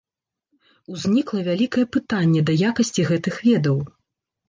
Узнікла вялікае пытанне да якасці гэтых ведаў.